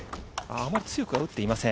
あまり強くは打っていません。